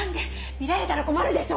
見られたら困るでしょ！